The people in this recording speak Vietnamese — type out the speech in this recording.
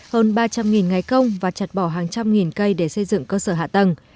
hơn ba trăm linh ngáy công và chặt bỏ hàng trăm nghìn cây để xây dựng cơ sở hạ tầng